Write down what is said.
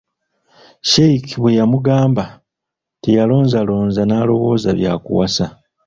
Sheikh bwe yamugamba, teyalonzalonza, n'alowooza bya kuwasa.